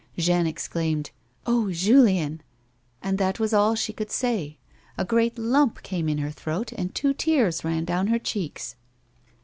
Jeanne exclaimed, " Oh, Julien !" and that was all she could say ; a great lump came in her throat and two tears ran down her cheeks.